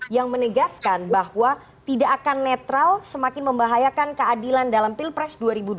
yang menegaskan bahwa tidak akan netral semakin membahayakan keadilan dalam pilpres dua ribu dua puluh